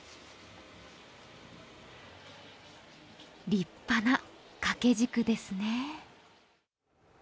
立派な掛け軸ですね。